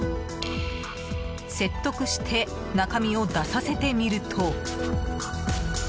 説得して中身を出させてみると。